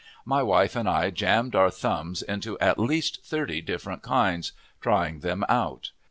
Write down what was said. My wife and I jammed our thumbs into at least thirty different kinds, trying them out.